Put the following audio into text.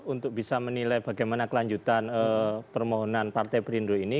untuk bisa menilai bagaimana kelanjutan permohonan partai perindo ini